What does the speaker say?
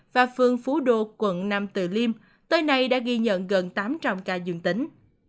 và phương phú đô quận nam từ liêm tới nay đã ghi nhận gần tám trăm linh ca dương tính